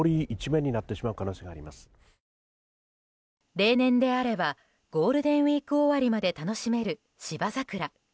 例年であればゴールデンウィーク終わりまで楽しめる芝桜。